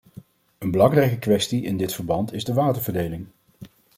Een belangrijke kwestie in dit verband is de waterverdeling.